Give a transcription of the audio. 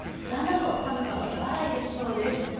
だんだんと寒さがやわらいできそうです。